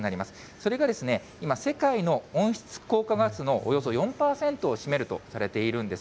それが今、世界の温室効果ガスのおよそ４％を占めるとされているんです。